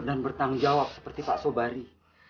dan bertanggung jawab seperti pak sobari